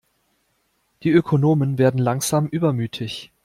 Die Ökonomen werden langsam übermütig.